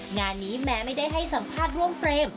งานนี้แม้ไม่ได้ให้สัมภาษณ์ร่วมเฟรม